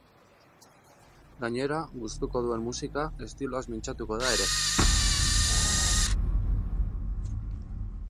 Gainera, gustuko duen musika estiloaz mintzatuko da ere.